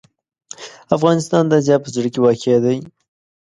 افغانستان د اسیا په زړه کې واقع دی.